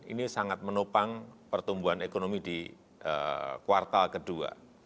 ini sangat menopang pertumbuhan ekonomi di kuartal kedua